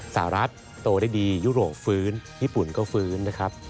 รัฐโตได้ดียุโรปฟื้นญี่ปุ่นก็ฟื้นนะครับ